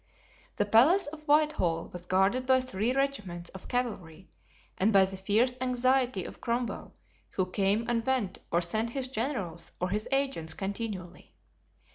The palace of Whitehall was guarded by three regiments of cavalry and by the fierce anxiety of Cromwell, who came and went or sent his generals or his agents continually.